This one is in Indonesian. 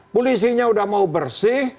polisinya udah mau bersih